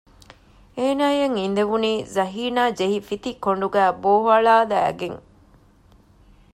އޭނާއަށް އިނދެވުނީ ޒަހީނާ ޖެހި ފިތި ކޮނޑުގައި ބޯއަޅާލައިގެން